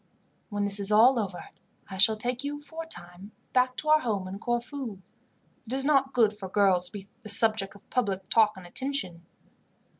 "When this is all over I shall take you, for a time, back to our home in Corfu. It is not good for girls to be the subject of public talk and attention."